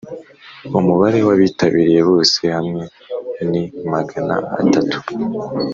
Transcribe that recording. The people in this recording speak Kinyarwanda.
Umubare w abitabiriye bose hamwe ni Magana atatu